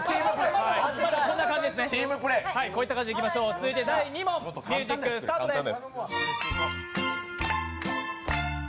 続いて第２問、ミュージックスタートです。